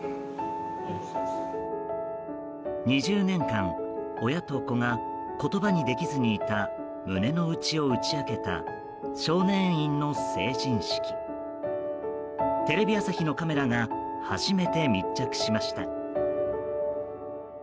２０年間、親と子が言葉にできずにいた胸の内を打ち明けた少年院の成人式。テレビ朝日のカメラが初めて密着しました。